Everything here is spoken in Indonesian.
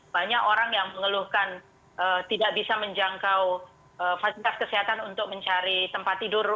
banyak orang yang mengeluhkan tidak bisa menjangkau fasilitas kesehatan untuk mencari tempat tidur